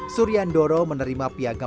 suryan doro menerima piagam